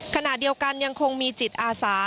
ขณะเดียวกันยังคงมีจิตอาสา